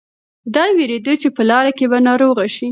دی وېرېده چې په لاره کې به ناروغه شي.